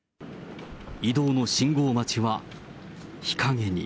移動の信号待ちは日陰に。